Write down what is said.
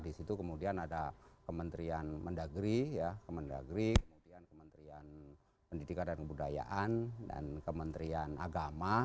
di situ kemudian ada kementerian mendagri kemendagri kemudian kementerian pendidikan dan kebudayaan dan kementerian agama